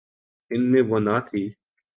ان میں وہ نہ تھی۔